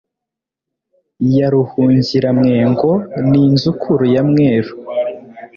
Ya Ruhungiramwengo :Ni inzukuru ya mweru,